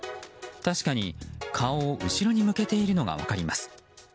確かに顔を後ろに向けているのが分かります。